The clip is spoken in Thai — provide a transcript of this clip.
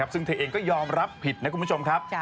ซึ่งเธอเองก็ยอมรับผิดนะคุณผู้ชมครับ